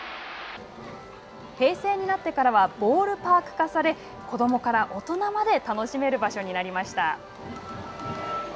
平成になってからはボールパーク化され子どもから大人まで楽しめる場所になりました。